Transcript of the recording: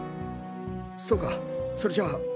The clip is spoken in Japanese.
そうかそれじゃあ。